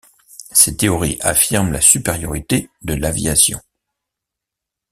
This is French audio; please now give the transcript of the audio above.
Ses théories affirment la supériorité de l'aviation.